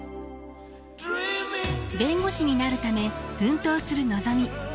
弁護士になるため奮闘するのぞみ。